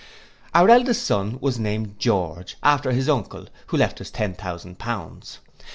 Our eldest son was named George, after his uncle, who left us ten thousand pounds.